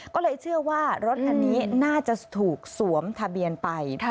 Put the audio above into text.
ก็เลยเชื่อว่ารถคันนี้น่าจะถูกสวมทะเบียนไป